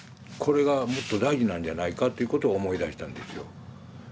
これがもっと大事なんじゃないかということを思い出したんですよ。